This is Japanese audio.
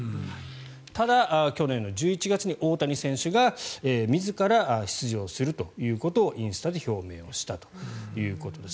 ただ、去年１１月に大谷選手が自ら、出場するということをインスタで表明したということです。